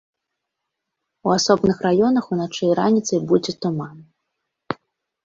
У асобных раёнах уначы і раніцай будзе туман.